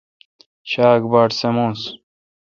شاک باٹ سمونس